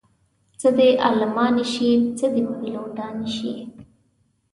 څه دې عالمانې شي څه دې پيلوټانې